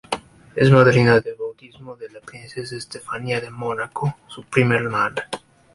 Es madrina de bautismo de la princesa Estefanía de Mónaco, su prima hermana.